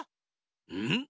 うん？